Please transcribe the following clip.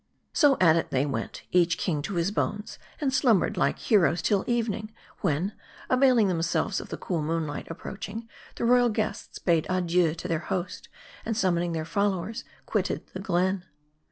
So at it they went : each king to his bones, and slumber M A R D I. 303 ed like heroes till evening ; when, availing themselves of the cool moonlight approaching, the royal guests bade adieu to their host ; and summoning their followers, quitted the glen.